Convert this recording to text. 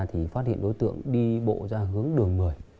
thì phát hiện đối tượng đi bộ ra hướng đường một mươi